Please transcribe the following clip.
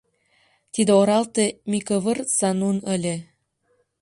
— Тиде оралте Микывыр Санун ыле.